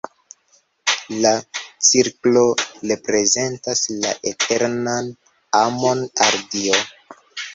La cirklo reprezentas la eternan amon al Dio.